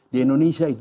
di indonesia itu